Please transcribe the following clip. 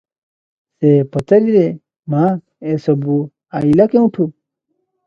ସେ ପଚାରିଲେ ମା, ଏସବୁ ଆଇଲା କେଉଁଠୁ?